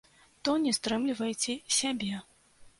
То не стрымлівайце сябе.